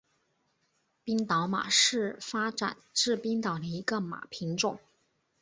冰岛马是发展自冰岛的一个马品种。